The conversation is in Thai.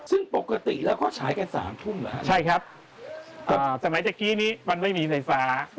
ซึ่งปกติแล้วก็ฉายกันสามทุ่มนะใช่ครับอ่าสมัยเจ้ากี้นี้มันไม่มีไฟฟ้า